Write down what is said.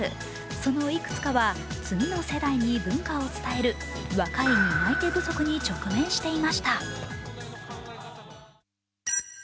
そのいくつかは次の世代に文化を伝える若い担い手不足に直面していました。